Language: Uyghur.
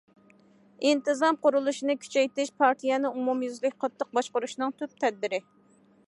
ئىنتىزام قۇرۇلۇشىنى كۈچەيتىش پارتىيەنى ئومۇميۈزلۈك قاتتىق باشقۇرۇشنىڭ تۈپ تەدبىرى.